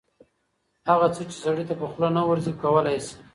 هغه څه چې سړي ته په خوله نه ورځي کولی شي